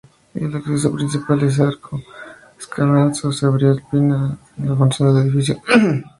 El acceso principal en arco escarzano se abrió al cambiar la función del edificio.